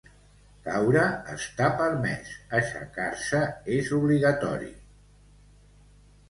Caure està permès. Aixecar-se és obligatori.